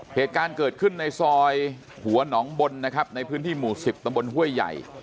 เหตุการณ์เกิดขึ้นในซอยหัวหนองบนนะครับในพื้นที่หมู่๑๐ตำบลห้วยใหญ่